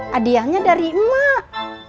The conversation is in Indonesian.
hadiahnya dari mak